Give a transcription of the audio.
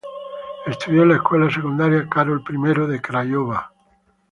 Estudió en la Escuela Secundaria Carol I de Craiova.